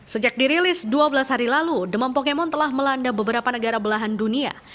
sejak dirilis dua belas hari lalu demam pokemon telah melanda beberapa negara belahan dunia